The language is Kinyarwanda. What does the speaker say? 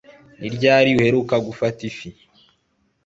Ni ryari uheruka gufata ifi?